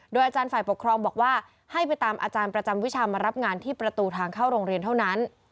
อาจารย์ฝ่ายปกครองบอกว่าให้ไปตามอาจารย์ประจำวิชามารับงานที่ประตูทางเข้าโรงเรียนเท่านั้น